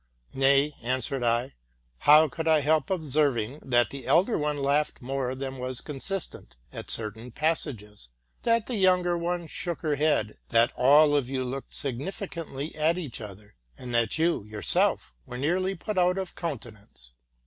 *+ Nay,'' answered I, '* how could I help observing that the elder one laughed more than was consistent at certain passages, that the younger one shook her head, that all of you looked significantly at each other, and that you yourself were nearly put out of countenance?